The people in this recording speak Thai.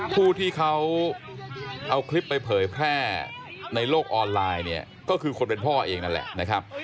ผู้ที่เขาเอาคลิปไปเผยแพร่ในโลกออนไลน์เนี่ยก็คือคนเป็นพ่อเองนั่นแหละนะครับ